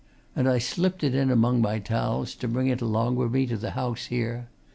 And I slipped it among my towels, to bring along wi' me to the house here.